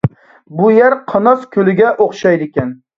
بۇ يەر قاناس كۆلىگە ئوخشايدىكەن.